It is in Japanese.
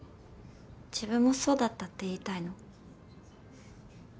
自分もそうだったって言いたいの？